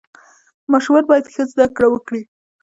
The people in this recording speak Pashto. ماشومان باید ښه زده کړه وکړي.